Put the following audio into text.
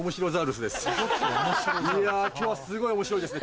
いや今日はすごい面白いですね。